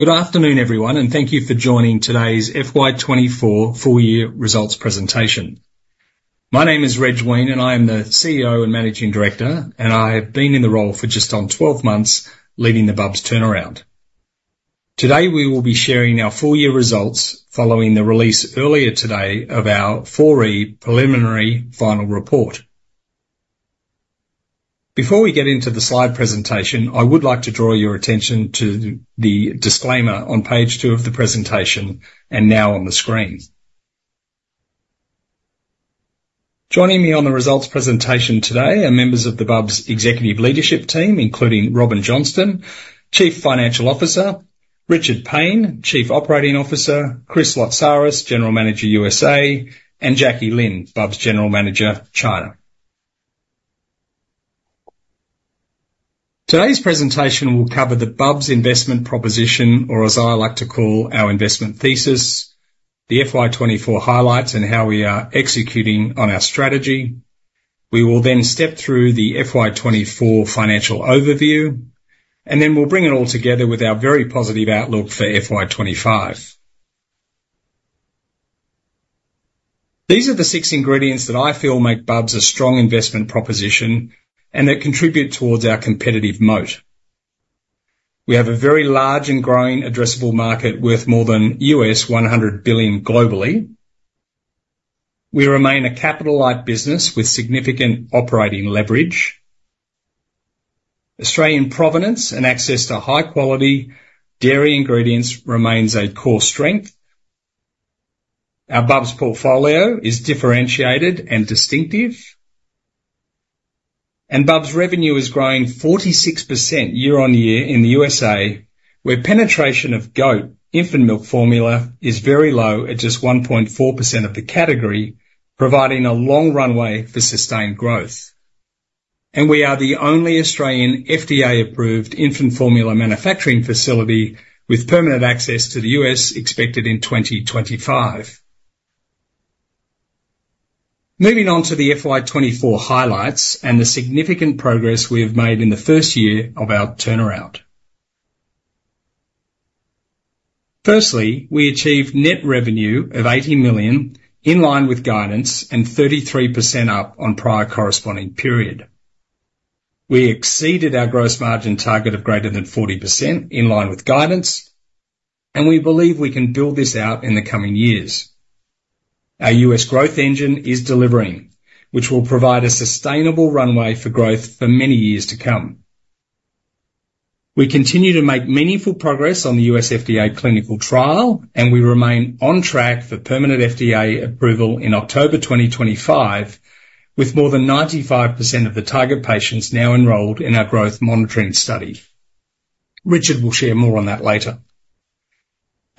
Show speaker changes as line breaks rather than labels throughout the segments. Good afternoon, everyone, and thank you for joining today's FY2024 full year results presentation. My name is Reg Weine, and I am the CEO and Managing Director, and I have been in the role for just on 12 months, leading the Bubs turnaround. Today, we will be sharing our full year results, following the release earlier today of our 4E preliminary final report. Before we get into the slide presentation, I would like to draw your attention to the disclaimer on page two of the presentation, and now on the screen. Joining me on the results presentation today are members of the Bubs executive leadership team, including Robin Johnston, Chief Financial Officer, Richard Paine, Chief Operating Officer, Chris Lotsaris, General Manager, USA, and Jackie Lin, Bubs General Manager, China. Today's presentation will cover the Bubs investment proposition, or as I like to call, our investment thesis, the FY2024 highlights and how we are executing on our strategy. We will then step through the FY2024 financial overview, and then we'll bring it all together with our very positive outlook for FY2025. These are the six ingredients that I feel make Bubs a strong investment proposition and that contribute towards our competitive moat. We have a very large and growing addressable market, worth more than $100 billion globally. We remain a capital-light business with significant operating leverage. Australian provenance and access to high-quality dairy ingredients remains a core strength. Our Bubs portfolio is differentiated and distinctive. Bubs' revenue is growing 46% year-on-year in the USA, where penetration of goat infant milk formula is very low at just 1.4% of the category, providing a long runway for sustained growth. We are the only Australian FDA-approved infant formula manufacturing facility with permanent access to the US, expected in 2025. Moving on to the FY2024 highlights and the significant progress we have made in the first year of our turnaround. Firstly, we achieved net revenue of 80 million, in line with guidance, and 33% up on prior corresponding period. We exceeded our gross margin target of greater than 40%, in line with guidance, and we believe we can build this out in the coming years. Our US growth engine is delivering, which will provide a sustainable runway for growth for many years to come. We continue to make meaningful progress on the US FDA clinical trial, and we remain on track for permanent FDA approval in October 2025, with more than 95% of the target patients now enrolled in our growth monitoring study. Richard will share more on that later.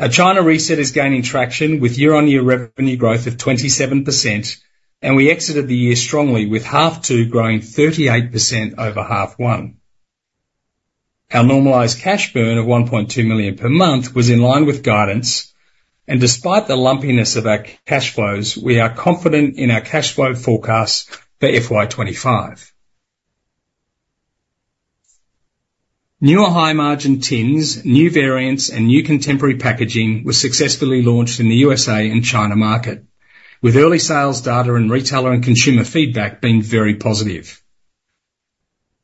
Our China reset is gaining traction, with year-on-year revenue growth of 27%, and we exited the year strongly, with H2 growing 38% over H1. Our normalized cash burn of 1.2 million per month was in line with guidance, and despite the lumpiness of our cash flows, we are confident in our cash flow forecast for FY2025. Newer high-margin tins, new variants, and new contemporary packaging were successfully launched in the USA and China market, with early sales data and retailer and consumer feedback being very positive.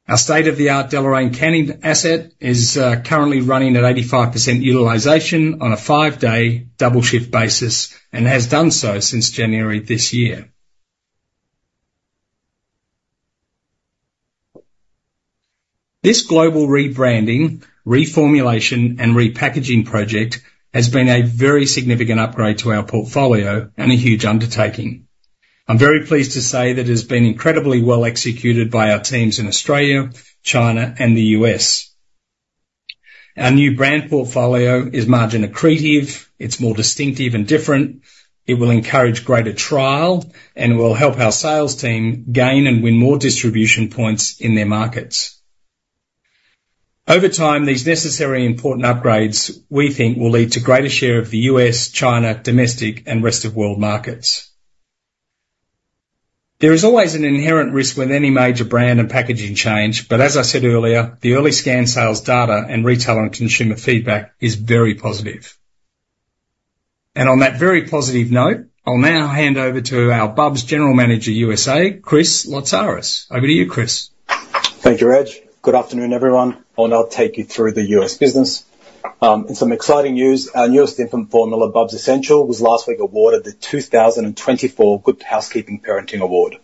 Our state-of-the-art Deloraine canning asset is currently running at 85% utilization on a five-day double shift basis and has done so since January this year. This global rebranding, reformulation, and repackaging project has been a very significant upgrade to our portfolio and a huge undertaking. I'm very pleased to say that it has been incredibly well executed by our teams in Australia, China, and the US. Our new brand portfolio is margin accretive, it's more distinctive and different. It will encourage greater trial, and will help our sales team gain and win more distribution points in their markets. Over time, these necessary important upgrades, we think, will lead to greater share of the U.S., China, domestic, and rest of world markets. There is always an inherent risk with any major brand and packaging change, but as I said earlier, the early scan sales data and retailer and consumer feedback is very positive, and on that very positive note, I'll now hand over to our Bubs General Manager, USA, Chris Lotsaris. Over to you, Chris.
Thank you, Reg. Good afternoon, everyone. I'll now take you through the U.S. business. In some exciting news, our newest infant formula, Bubs Essential, was last week awarded the 2024 Good Housekeeping Parenting Award.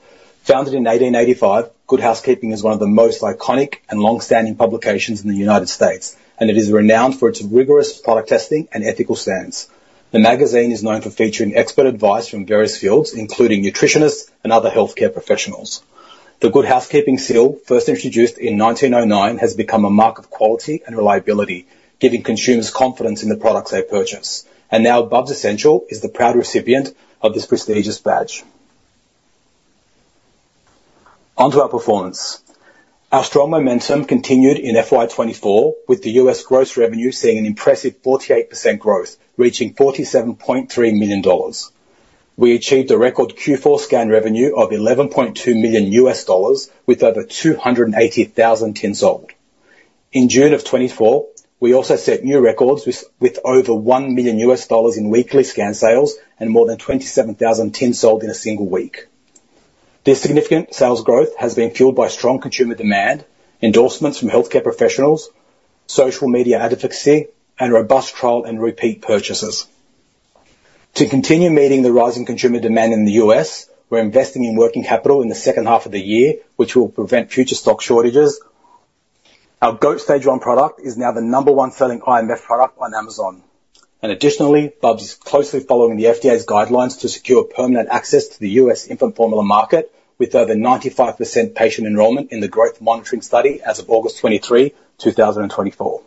Founded in 1885, Good Housekeeping is one of the most iconic and long-standing publications in the United States, and it is renowned for its rigorous product testing and ethical stance. The magazine is known for featuring expert advice from various fields, including nutritionists and other healthcare professionals. The Good Housekeeping seal, first introduced in 1909, has become a mark of quality and reliability, giving consumers confidence in the products they purchase. Now, Bubs Essential is the proud recipient of this prestigious badge. On to our performance. Our strong momentum continued in FY2024, with the US gross revenue seeing an impressive 48% growth, reaching $47.3 million. We achieved a record Q4 scan revenue of $11.2 million, with over 280,000 tins sold. In June 2024, we also set new records with over $1 million in weekly scan sales and more than 27,000 tins sold in a single week. This significant sales growth has been fueled by strong consumer demand, endorsements from healthcare professionals, social media advocacy, and robust trial and repeat purchases. To continue meeting the rising consumer demand in the US, we're investing in working capital in H2 of the year, which will prevent future stock shortages. Our Goat Stage One product is now the number one selling IMF product on Amazon. Additionally, Bubs is closely following the FDA's guidelines to secure permanent access to the US infant formula market, with over 95% patient enrollment in the growth monitoring study as of August 23, 2024.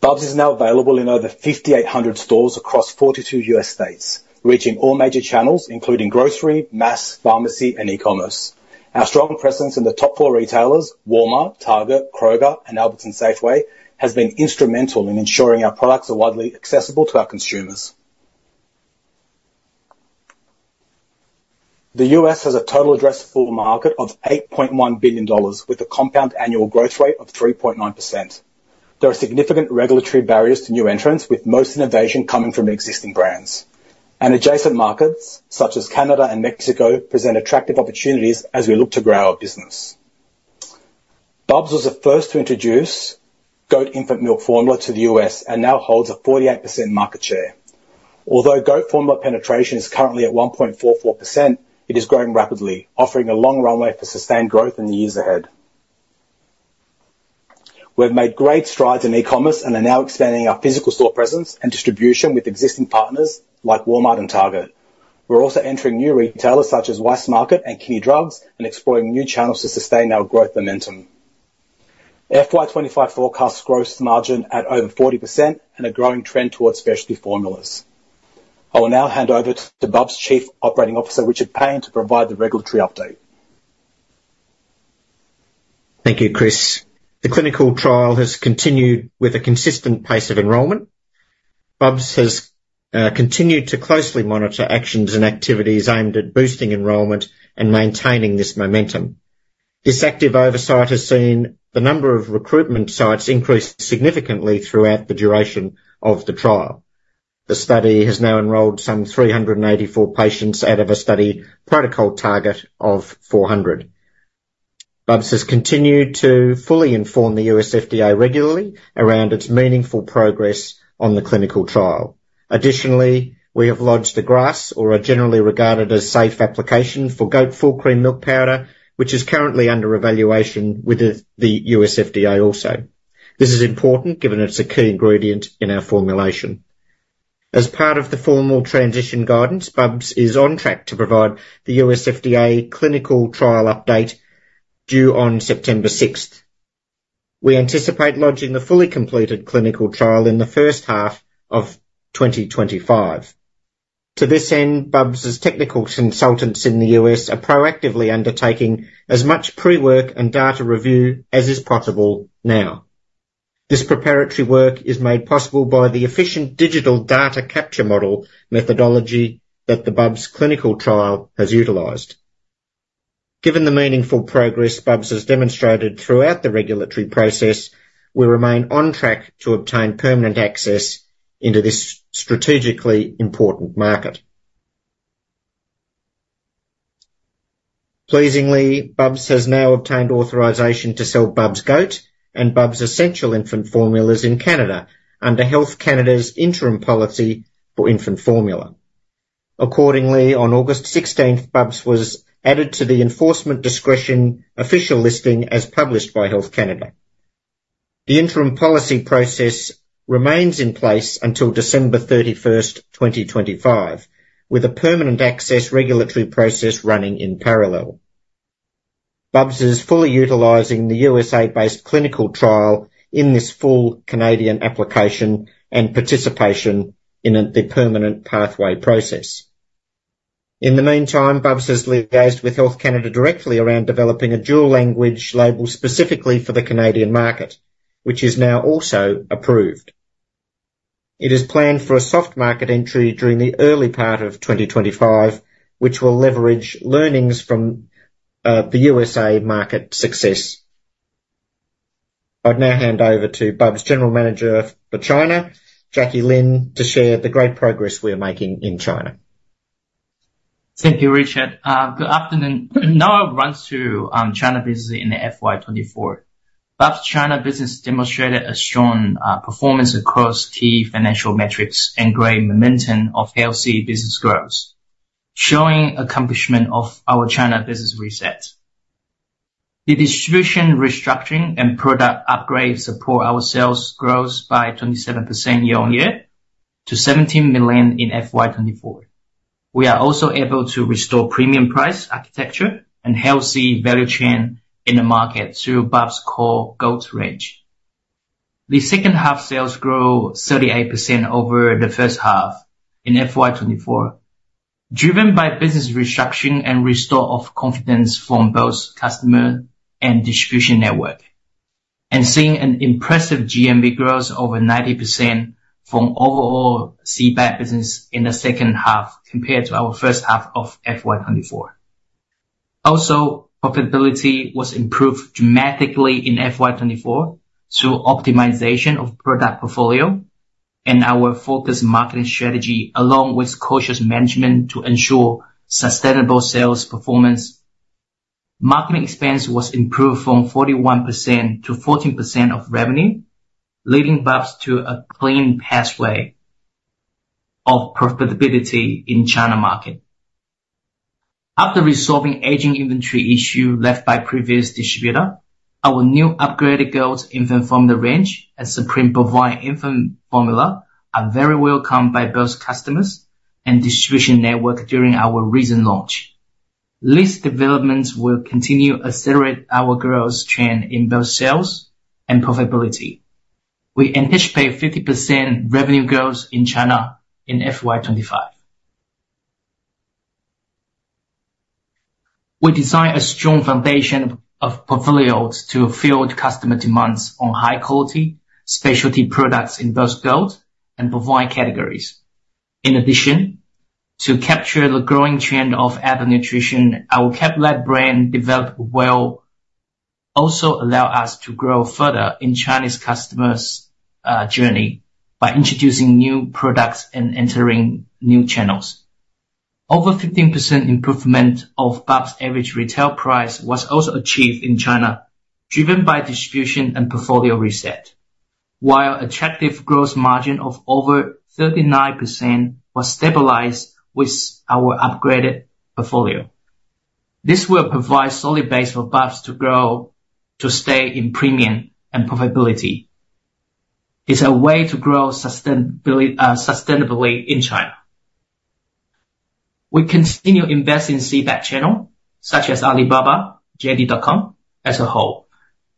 Bubs is now available in over 5,800 stores across 42 U.S. states, reaching all major channels, including grocery, mass, pharmacy, and e-commerce. Our strong presence in the top four retailers, Walmart, Target, Kroger, and Albertsons Safeway, has been instrumental in ensuring our products are widely accessible to our consumers. The U.S. has a total addressable market of $8.1 billion, with a compound annual growth rate of 3.9%. There are significant regulatory barriers to new entrants, with most innovation coming from existing brands. Adjacent markets, such as Canada and Mexico, present attractive opportunities as we look to grow our business. Bubs was the first to introduce goat infant milk formula to the US and now holds a 48% market share. Although goat formula penetration is currently at 1.44%, it is growing rapidly, offering a long runway for sustained growth in the years ahead. We've made great strides in e-commerce and are now expanding our physical store presence and distribution with existing partners like Walmart and Target. We're also entering new retailers, such as Weis Markets and Kinney Drugs, and exploring new channels to sustain our growth momentum. FY2025 forecasts gross margin at over 40% and a growing trend towards specialty formulas. I will now hand over to Bubs' Chief Operating Officer, Richard Paine, to provide the regulatory update.
Thank you, Chris. The clinical trial has continued with a consistent pace of enrollment. Bubs has continued to closely monitor actions and activities aimed at boosting enrollment and maintaining this momentum. This active oversight has seen the number of recruitment sites increase significantly throughout the duration of the trial. The study has now enrolled some 384 patients out of a study protocol target of 400. Bubs has continued to fully inform the US FDA regularly around its meaningful progress on the clinical trial. Additionally, we have lodged a GRAS, or a Generally Recognized as Safe application, for goat full cream milk powder, which is currently under evaluation with the U.S. FDA also. This is important, given it's a key ingredient in our formulation. As part of the formal transition guidance, Bubs is on track to provide the U.S. FDA clinical trial update due on September 6th. We anticipate lodging the fully completed clinical trial in H1 of 2025. To this end, Bubs' technical consultants in the US are proactively undertaking as much pre-work and data review as is possible now. This preparatory work is made possible by the efficient digital data capture model methodology that the Bubs clinical trial has utilized. Given the meaningful progress Bubs has demonstrated throughout the regulatory process, we remain on track to obtain permanent access into this strategically important market. Pleasingly, Bubs has now obtained authorization to sell Bubs Goat and Bubs Essential infant formulas in Canada under Health Canada's interim policy for infant formula. Accordingly, on August 16th, Bubs was added to the enforcement discretion official listing, as published by Health Canada. The interim policy process remains in place until December 31st 2025, with a permanent access regulatory process running in parallel. Bubs is fully utilizing the USA-based clinical trial in this full Canadian application and participation in the permanent pathway process. In the meantime, Bubs has liaised with Health Canada directly around developing a dual language label specifically for the Canadian market, which is now also approved. It is planned for a soft market entry during the early part of 2025, which will leverage learnings from the USA market success. I'd now hand over to Bubs' General Manager for China, Jackie Lin, to share the great progress we are making in China.
Thank you, Richard. Good afternoon. Now I'll run through China business in the FY2024. Bubs China business demonstrated a strong performance across key financial metrics and great momentum of healthy business growth, showing accomplishment of our China business reset. The distribution restructuring and product upgrades support our sales growth by 27% year- on-year to 17 million in FY24. We are also able to restore premium price architecture and healthy value chain in the market through Bubs' core goat range. The second half sales grew 38% over H1 in FY2024, driven by business restructuring and restore of confidence from both customer and distribution network and seeing an impressive GMV growth over 90% from overall CBEC business in the second half compared to our H1 of FY2024. Also, profitability was improved dramatically in FY2024 through optimization of product portfolio and our focused marketing strategy, along with cautious management to ensure sustainable sales performance. Marketing expense was improved from 41% to 14% of revenue, leading Bubs to a clean pathway of profitability in China market. After resolving aging inventory issue left by previous distributor, our new upgraded goat infant formula range and Supreme Bovine Infant Formula are very welcome by both customers and distribution network during our recent launch. These developments will continue to accelerate our growth trend in both sales and profitability. We anticipate 50% revenue growth in China in FY2025. We designed a strong foundation of portfolios to fill customer demands on high quality specialty products in both goat and bovine categories. In addition, to capture the growing trend of adult nutrition, our CapriLac brand developed well, also allow us to grow further in Chinese customers' journey by introducing new products and entering new channels. Over 15% improvement of Bubs' average retail price was also achieved in China, driven by distribution and portfolio reset, while attractive growth margin of over 39% was stabilized with our upgraded portfolio. This will provide solid base for Bubs to grow, to stay in premium and profitability. It's a way to grow sustainably in China. We continue to invest in CBEC channel, such as Alibaba, JD.com as a whole.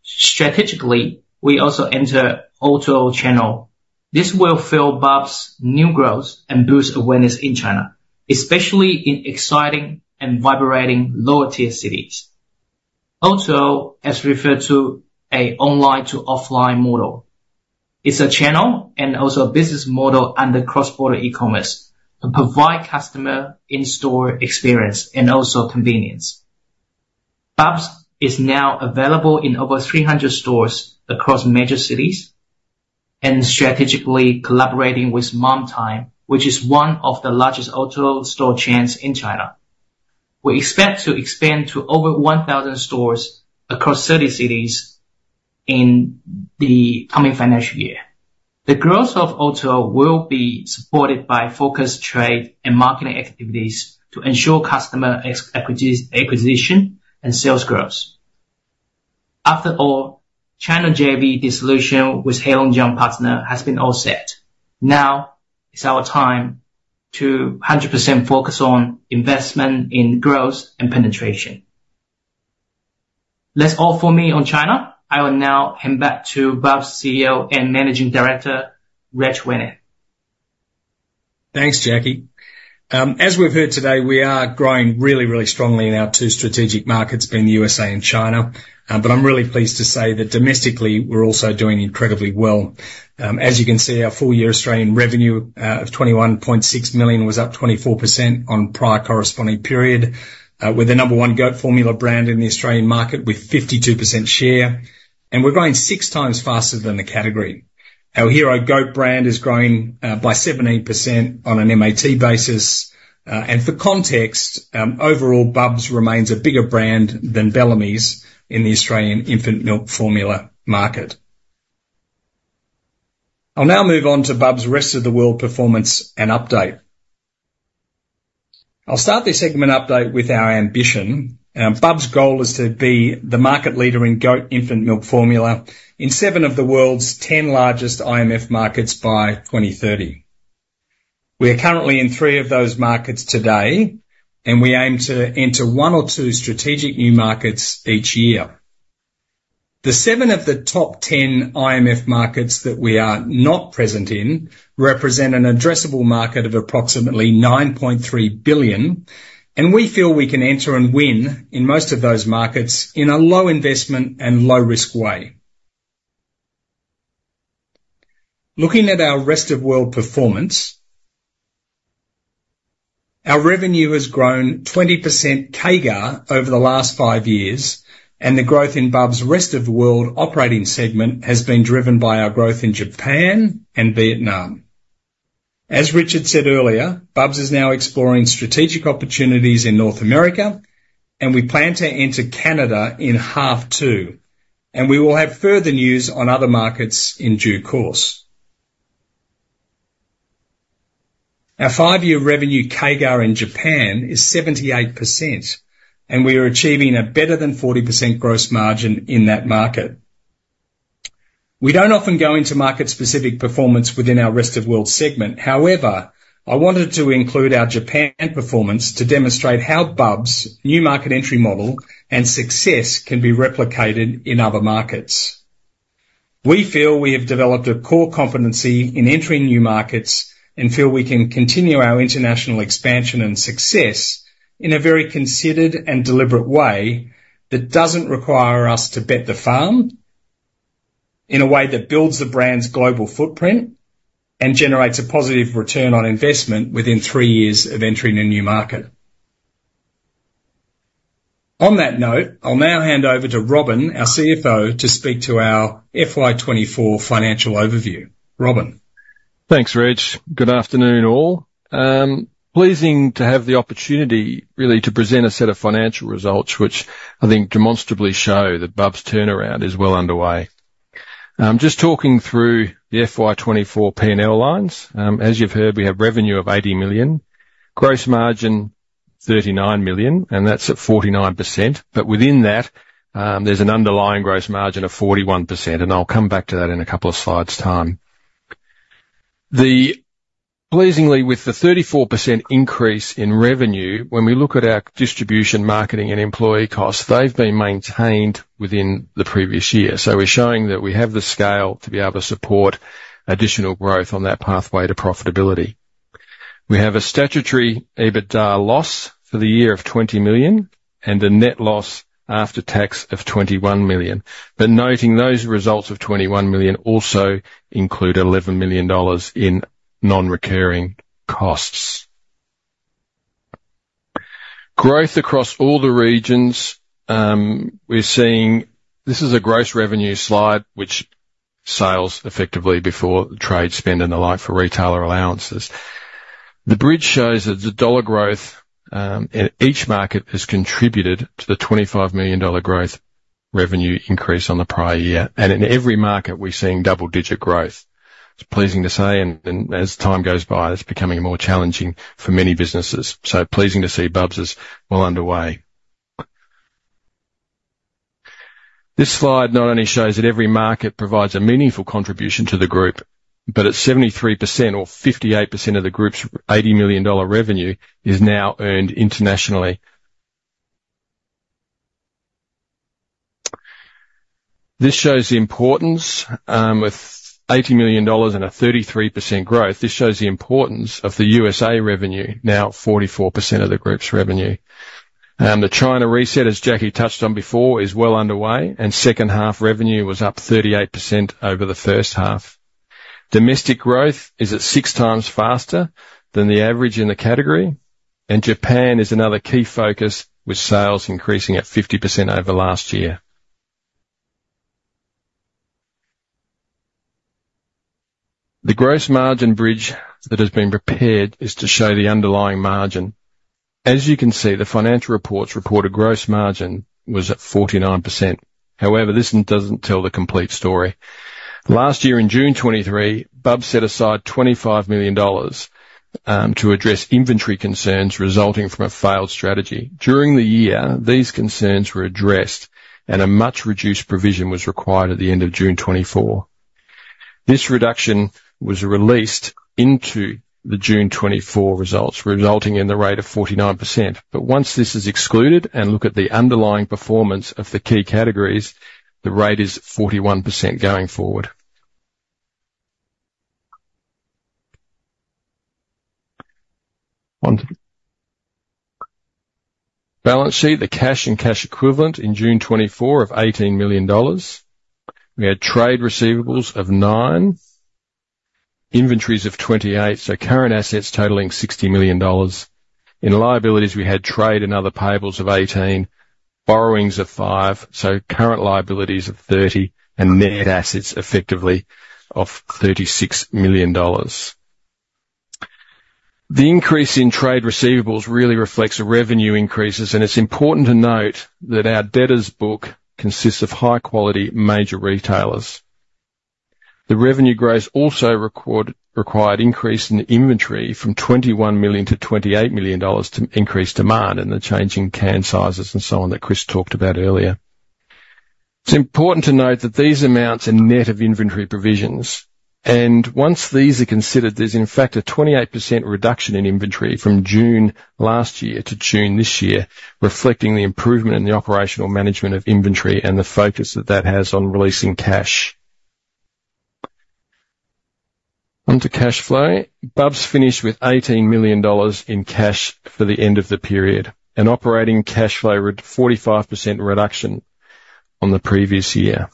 Strategically, we also enter O2O channel. This will fill Bubs' new growth and boost awareness in China, especially in exciting and vibrant lower tier cities. O2O, as referred to as an online-to-offline model, is a channel and also a business model under cross-border e-commerce to provide customer in-store experience and also convenience. Bubs is now available in over 300 stores across major cities and strategically collaborating with Mum Time, which is one of the largest O2O store chains in China. We expect to expand to over 1,000 stores across 30 cities in the coming financial year. The growth of O2O will be supported by focused trade and marketing activities to ensure customer acquisition and sales growth. After all, China JV dissolution with Heilongjiang partner has been all set. Now is our time to 100% focus on investment in growth and penetration. That's all for me on China. I will now hand back to Bubs' CEO and Managing Director, Reg Weine.
Thanks, Jackie. As we've heard today, we are growing really, really strongly in our two strategic markets, being the USA and China. But I'm really pleased to say that domestically, we're also doing incredibly well. As you can see, our full year Australian revenue of 21.6 million was up 24% on prior corresponding period, with the number one goat formula brand in the Australian market, with 52% share, and we're growing 6x faster than the category. Our Hero Goat brand is growing by 17% on an MAT basis. And for context, overall, Bubs remains a bigger brand than Bellamy's in the Australian infant milk formula market. I'll now move on to Bubs' rest of the world performance and update. I'll start this segment update with our ambition. Bubs' goal is to be the market leader in goat infant milk formula in seven of the world's ten largest IMF markets by 2030. We are currently in three of those markets today, and we aim to enter one or two strategic new markets each year. The seven of the top ten IMF markets that we are not present in represent an addressable market of approximately $9.3 billion, and we feel we can enter and win in most of those markets in a low investment and low risk way. Looking at our rest of world performance, our revenue has grown 20% CAGR over the last five years, and the growth in Bubs' rest of the world operating segment has been driven by our growth in Japan and Vietnam. As Richard said earlier, Bubs is now exploring strategic opportunities in North America, and we plan to enter Canada in half two, and we will have further news on other markets in due course. Our five-year revenue CAGR in Japan is 78%, and we are achieving a better than 40% gross margin in that market. We don't often go into market-specific performance within our rest of world segment. However, I wanted to include our Japan performance to demonstrate how Bubs' new market entry model and success can be replicated in other markets.... We feel we have developed a core competency in entering new markets, and feel we can continue our international expansion and success in a very considered and deliberate way that doesn't require us to bet the farm, in a way that builds the brand's global footprint and generates a positive return on investment within three years of entering a new market. On that note, I'll now hand over to Robin, our CFO, to speak to our FY2024 financial overview. Robin?
Thanks, Reg. Good afternoon, all. Pleasing to have the opportunity, really, to present a set of financial results, which I think demonstrably show that Bubs' turnaround is well underway. Just talking through the FY2024 P&L lines. As you've heard, we have revenue of 80 million, gross margin 39 million, and that's at 49%, but within that, there's an underlying gross margin of 41%, and I'll come back to that in a couple of slides' time. Pleasingly, with the 34% increase in revenue, when we look at our distribution, marketing, and employee costs, they've been maintained within the previous year. So we're showing that we have the scale to be able to support additional growth on that pathway to profitability. We have a statutory EBITDA loss for the year of 20 million and a net loss after tax of 21 million. Noting those results of 21 million also include 11 million dollars in non-recurring costs. Growth across all the regions, we're seeing. This is a gross revenue slide, which sales effectively before trade spend and the like for retailer allowances. The bridge shows that the dollar growth in each market has contributed to the 25 million dollar growth revenue increase on the prior year, and in every market, we're seeing double-digit growth. It's pleasing to say, and as time goes by, it's becoming more challenging for many businesses. So pleasing to see Bubs is well underway. This slide not only shows that every market provides a meaningful contribution to the group, but it's 73% or 58% of the group's 80 million dollar revenue is now earned internationally. This shows the importance, with $80 million and a 33% growth, this shows the importance of the USA revenue, now 44% of the group's revenue. The China reset, as Jackie touched on before, is well underway, and H2 revenue was up 38% over the H1. Domestic growth is at 6x faster than the average in the category, and Japan is another key focus, with sales increasing at 50% over last year. The gross margin bridge that has been prepared is to show the underlying margin. As you can see, the financial reports report a gross margin was at 49%. However, this one doesn't tell the complete story. Last year, in June 2023, Bubs set aside $25 million to address inventory concerns resulting from a failed strategy. During the year, these concerns were addressed, and a much-reduced provision was required at the end of June 2024. This reduction was released into the June 2024 results, resulting in the rate of 49%. But once this is excluded, and look at the underlying performance of the key categories, the rate is 41% going forward. On to the balance sheet, the cash and cash equivalent in June 2024 of 18 million dollars. We had trade receivables of 9 million, inventories of 28 million, so current assets totaling 60 million dollars. In liabilities, we had trade and other payables of 18 million, borrowings of 5 million, so current liabilities of 30 million, and net assets effectively of 36 million dollars. The increase in trade receivables really reflects the revenue increases, and it's important to note that our debtors' book consists of high-quality major retailers. The revenue growth also required increase in inventory from 21 million to 28 million dollars to increase demand and the change in can sizes and so on, that Chris talked about earlier. It's important to note that these amounts are net of inventory provisions, and once these are considered, there's in fact a 28% reduction in inventory from June last year to June this year, reflecting the improvement in the operational management of inventory and the focus that that has on releasing cash. Onto cash flow. Bubs finished with 18 million dollars in cash for the end of the period, and operating cash flow at a 45% reduction on the previous year.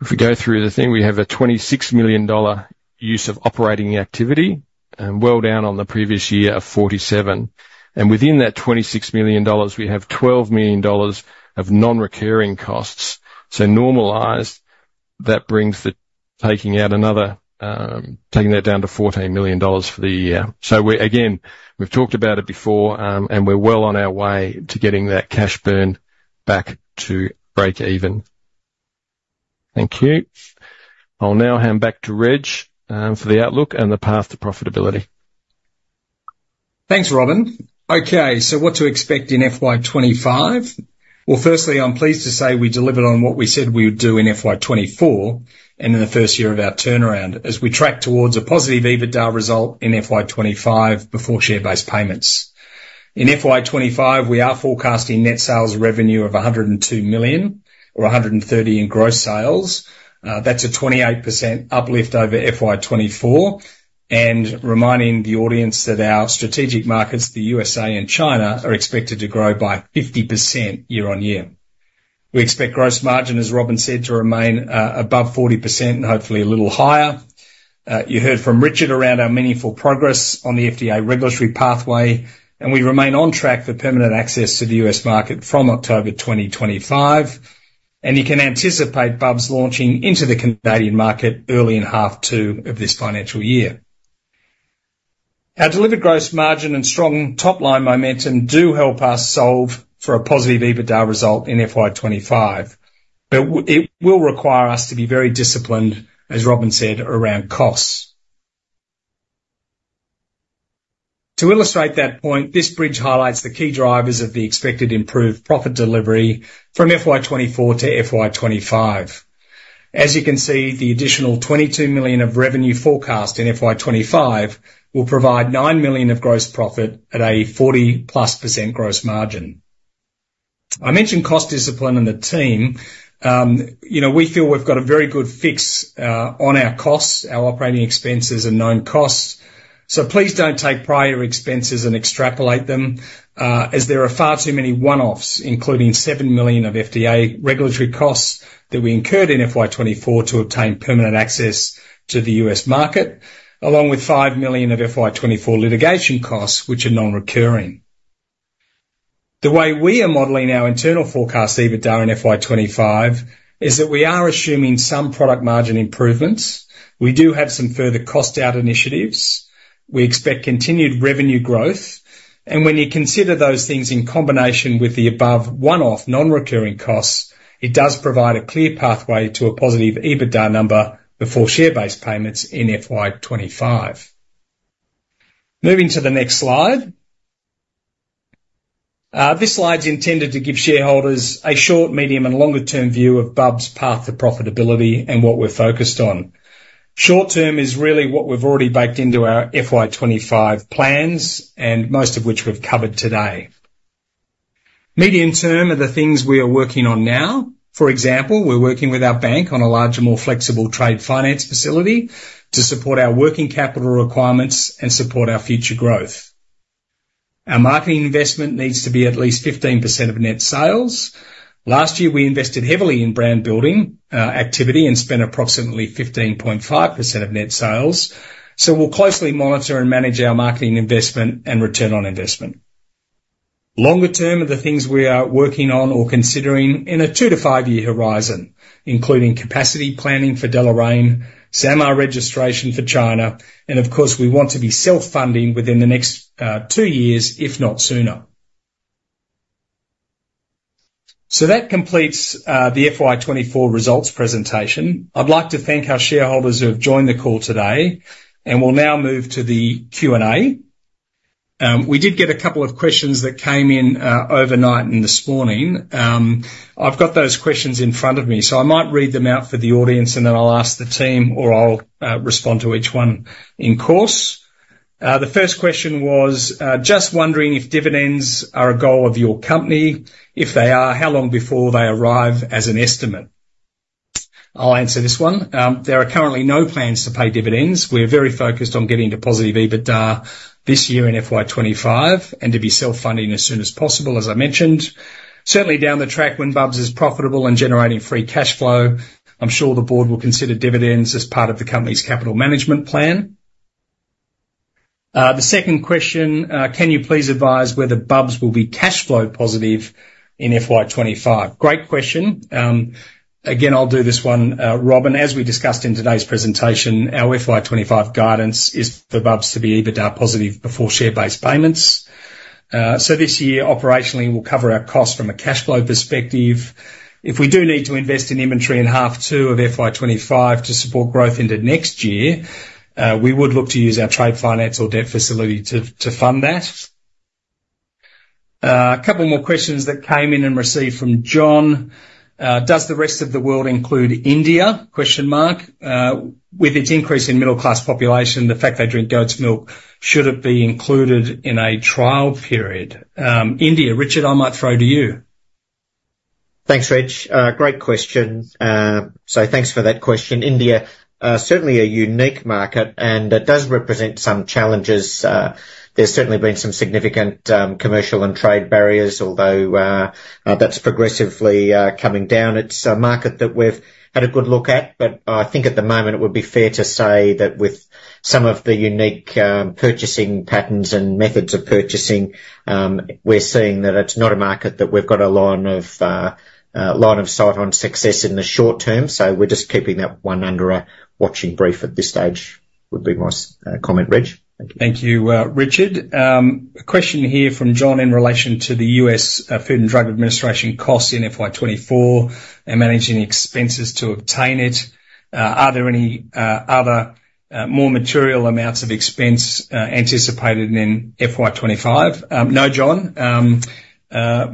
If we go through the thing, we have a 26 million dollar use of operating activity, well down on the previous year of 47%. Within that 26 million dollars, we have 12 million dollars of non-recurring costs. So normalized, that brings that down to 14 million dollars for the year. So again, we've talked about it before, and we're well on our way to getting that cash burn back to breakeven. Thank you. I'll now hand back to Reg for the outlook and the path to profitability.
Thanks, Robin. Okay, so what to expect in FY2025? First, I'm pleased to say we delivered on what we said we would do in FY204 and in the first year of our turnaround, as we track towards a positive EBITDA result in FY2025 before share-based payments. In FY2025, we are forecasting net sales revenue of 102 million, or 130 million in gross sales. That's a 28% uplift over FY2024, and reminding the audience that our strategic markets, the USA and China, are expected to grow by 50% year-on-year. We expect gross margin, as Robin said, to remain above 40% and hopefully a little higher. You heard from Richard around our meaningful progress on the FDA regulatory pathway, and we remain on track for permanent access to the US market from October 2025, and you can anticipate Bubs launching into the Canadian market early in H2 of this financial year. Our delivered gross margin and strong top-line momentum do help us solve for a positive EBITDA result in FY2025, but it will require us to be very disciplined, as Robin said, around costs. To illustrate that point, this bridge highlights the key drivers of the expected improved profit delivery from FY2024 to FY2025. As you can see, the additional 22 million of revenue forecast in FY2025 will provide 9 million of gross profit at a 40%+ gross margin. I mentioned cost discipline and the team. You know, we feel we've got a very good fix on our costs, our operating expenses and known costs. So please don't take prior expenses and extrapolate them, as there are far too many one-offs, including 7 million of FDA regulatory costs that we incurred in FY2024 to obtain permanent access to the U.S. market, along with 5 million of FY2024 litigation costs, which are non-recurring. The way we are modeling our internal forecast EBITDA in FY2025 is that we are assuming some product margin improvements. We do have some further cost-out initiatives. We expect continued revenue growth, and when you consider those things in combination with the above one-off non-recurring costs, it does provide a clear pathway to a positive EBITDA number before share-based payments in FY2025. Moving to the next slide. This slide is intended to give shareholders a short, medium, and longer term view of Bubs' path to profitability and what we're focused on. Short term is really what we've already baked into our FY2025 plans, and most of which we've covered today. Medium term are the things we are working on now. For example, we're working with our bank on a larger, more flexible trade finance facility to support our working capital requirements and support our future growth. Our marketing investment needs to be at least 15% of net sales. Last year, we invested heavily in brand building, activity, and spent approximately 15.5% of net sales. So we'll closely monitor and manage our marketing investment and return on investment. Longer term are the things we are working on or considering in a two to five-year horizon, including capacity planning for Deloraine, SAMR registration for China, and of course, we want to be self-funding within the next, two years, if not sooner. So that completes the FY2024 results presentation. I'd like to thank our shareholders who have joined the call today, and we'll now move to the Q&A. We did get a couple of questions that came in, overnight and this morning. I've got those questions in front of me, so I might read them out for the audience, and then I'll ask the team or I'll respond to each one in turn. The first question was: "Just wondering if dividends are a goal of your company. If they are, how long before they arrive as an estimate?" I'll answer this one. There are currently no plans to pay dividends. We're very focused on getting to positive EBITDA this year in FY2025, and to be self-funding as soon as possible, as I mentioned. Certainly, down the track, when Bubs is profitable and generating free cashflow, I'm sure the board will consider dividends as part of the company's capital management plan. The second question: "Can you please advise whether Bubs will be cashflow positive in FY2025?". Great question. Again, I'll do this one. Robin, as we discussed in today's presentation, our FY2025 guidance is for Bubs to be EBITDA positive before share-based payments. So this year, operationally, we'll cover our costs from a cashflow perspective. If we do need to invest in inventory in H2 of FY2025 to support growth into next year, we would look to use our trade finance or debt facility to fund that. A couple more questions that came in and received from John: "Does the rest of the world include India? With its increase in middle-class population, the fact they drink goat's milk, should it be included in a trial period?" India, Richard, I might throw to you.
Thanks, Reg. Great question. So thanks for that question. India certainly a unique market, and it does represent some challenges. There's certainly been some significant commercial and trade barriers, although that's progressively coming down. It's a market that we've had a good look at, but I think at the moment it would be fair to say that with some of the unique purchasing patterns and methods of purchasing, we're seeing that it's not a market that we've got a line of line of sight on success in the short term, so we're just keeping that one under a watching brief at this stage, would be my comment, Reg. Thank you.
Thank you, Richard. A question here from John in relation to the US Food and Drug Administration costs in FY2024 and managing expenses to obtain it. Are there any other more material amounts of expense anticipated in FY2025? No, John.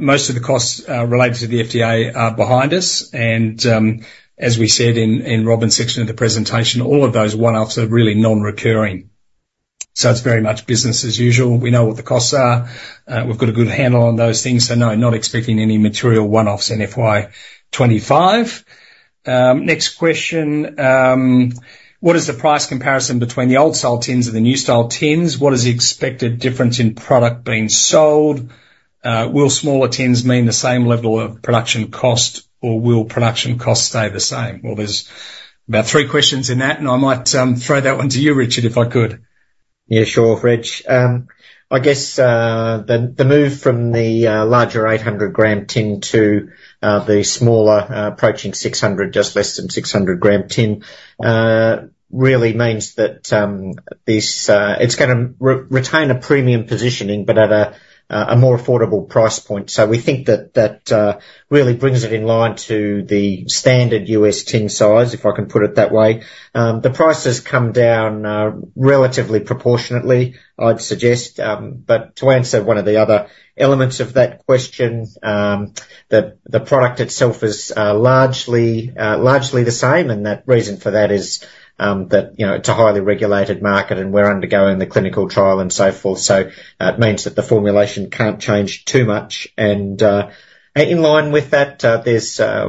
Most of the costs related to the FDA are behind us, and as we said in Robin's section of the presentation, all of those one-offs are really non-recurring. So it's very much business as usual. We know what the costs are, we've got a good handle on those things. So no, not expecting any material one-offs in FY2025. Next question: "What is the price comparison between the old style tins and the new style tins? What is the expected difference in product being sold? will smaller tins mean the same level of production cost, or will production costs stay the same?" Well, there's about three questions in that, and I might throw that one to you, Richard, if I could.
Yeah, sure, Rich. I guess, the move from the larger 800g tin to the smaller, approaching 600, just less than 600g tin really means that this it's gonna retain a premium positioning, but at a more affordable price point. So we think that that really brings it in line to the standard US tin size, if I can put it that way. The price has come down relatively proportionately, I'd suggest. But to answer one of the other elements of that question, the product itself is largely the same, and the reason for that is that you know, it's a highly regulated market, and we're undergoing the clinical trial and so forth. So that means that the formulation can't change too much. And, in line with that,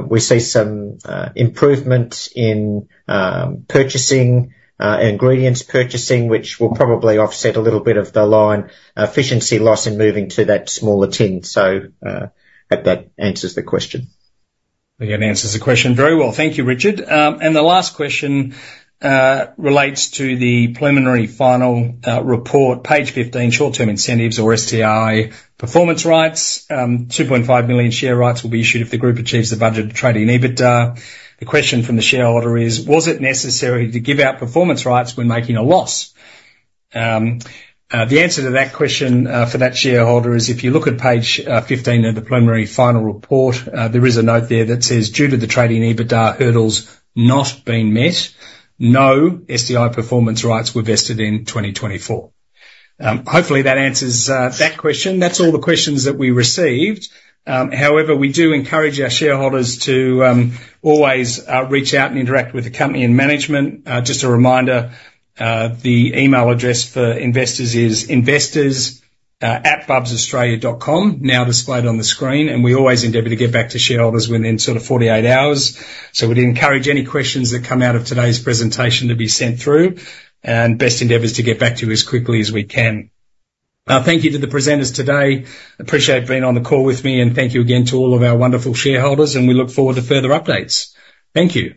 we see some improvements in purchasing, ingredients purchasing, which will probably offset a little bit of the line efficiency loss in moving to that smaller tin. So, I hope that answers the question.
Again, answers the question very well. Thank you, Richard. And the last question relates to the preliminary final report, page 15, Short-Term Incentives or STI performance rights. Two point five million share rights will be issued if the group achieves the budget trading EBITDA. The question from the shareholder is: "Was it necessary to give out performance rights when making a loss?" The answer to that question, for that shareholder is, if you look at page 15 of the preliminary final report, there is a note there that says, "Due to the trading EBITDA hurdles not being met, no STI performance rights were vested in 2024." Hopefully that answers that question. That's all the questions that we received. However, we do encourage our shareholders to always reach out and interact with the company and management. Just a reminder, the email address for investors is investors@bubsaustralia.com, now displayed on the screen, and we always endeavor to get back to shareholders within sort of 48 hours. So we'd encourage any questions that come out of today's presentation to be sent through, and best endeavors to get back to you as quickly as we can. Thank you to the presenters today. Appreciate being on the call with me, and thank you again to all of our wonderful shareholders, and we look forward to further updates. Thank you.